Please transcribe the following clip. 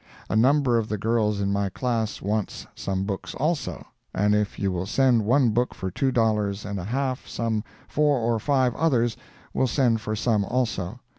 A number of the girls in my class wants some books also, and if you will send one book for two dollars and a half some four or five others will send for some also.